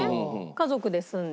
家族で住んで。